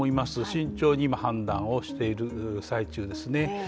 慎重に今、判断をしている最中ですね。